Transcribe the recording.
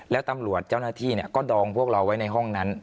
แล้วตำรวจเจ้าหน้าที่ก็ดองพวกเราไว้ในห้องนั้น